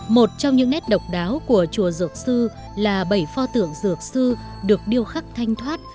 một trong những nét độc đáo của chùa dược sư là bảy pho tượng dược sư được điêu khắc thanh thoát